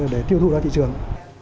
để tiêu thu ra thị trường